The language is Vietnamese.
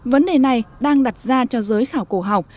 vấn đề này đang đặt ra cho giới khảo cổ học